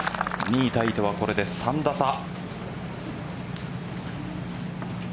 ２位タイとはこれで３打差。